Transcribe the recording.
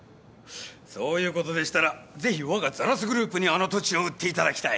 そういうことでしたらぜひわがザラスグループにあの土地を売っていただきたい。